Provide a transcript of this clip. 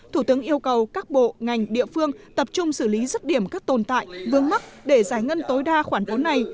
thủ tướng yêu cầu các bộ ngành địa phương tập trung xử lý rứt điểm các tồn tại vương mắc để giải ngân tối đa khoản vốn này